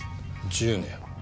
１０年。